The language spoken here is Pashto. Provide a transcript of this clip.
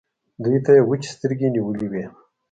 دوی ته يې وچې سترګې نيولې وې.